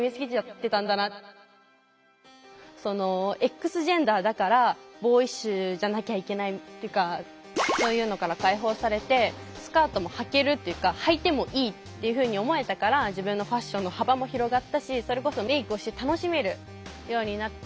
Ｘジェンダーだからボーイッシュじゃなきゃいけないっていうかそういうのから解放されてスカートもはけるっていうかはいてもいいっていうふうに思えたから自分のファッションの幅も広がったしそれこそメークをして楽しめるようになって。